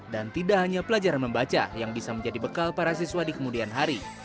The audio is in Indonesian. dan tidak hanya pelajaran membaca yang bisa menjadi bekal para siswa di kemudian hari